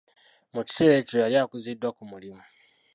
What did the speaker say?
Mu kiseera ekyo yali akuziddwa ku mulimu!